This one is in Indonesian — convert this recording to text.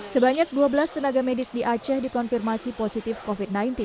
sebanyak dua belas tenaga medis di aceh dikonfirmasi positif covid sembilan belas